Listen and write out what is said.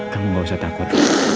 kamu gak usah takut